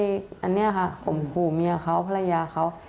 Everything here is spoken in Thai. ผมขอบใจเมียเขาพระราญาเขา